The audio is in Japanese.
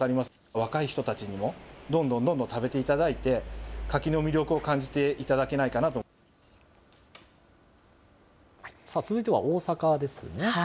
若い人たちにもどんどんどんどん食べていただいて、柿の魅力を感じていただけないかな続いては大阪ですね。